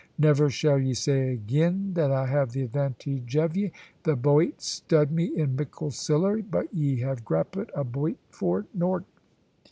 Never shall ye say agin that I have the advantage of ye. The boit stud me in mickle siller; but ye have grappit a boit for nort."